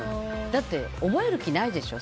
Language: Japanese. だって覚える気ないでしょ